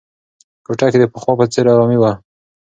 کوټه کې د پخوا په څېر ارامي وه.